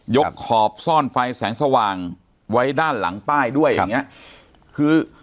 ขอบซ่อนไฟแสงสว่างไว้ด้านหลังป้ายด้วยอย่างเงี้ยคือ